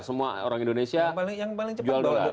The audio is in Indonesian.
semua orang indonesia jual dolar